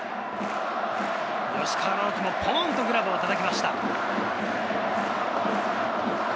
吉川尚輝もポンっとグラブをたたきました。